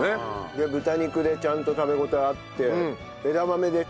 で豚肉でちゃんと食べ応えあって枝豆でね